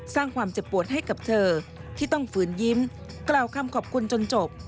สร้างความเจ็บปวดให้กับเธอที่ต้องฝืนยิ้มกล่าวคำขอบคุณจนจบ